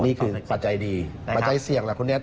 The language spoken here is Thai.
นี่คือปัจจัยดีปัจจัยเสี่ยงล่ะคุณเน็ต